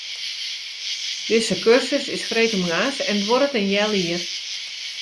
Dizze kursus is freedtemoarns en duorret in heal jier.